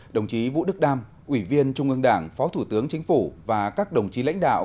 đồng chí vũ đức đam ủy viên trung ương đảng phó thủ tướng chính phủ và các đồng chí lãnh đạo